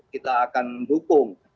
kita akan dukung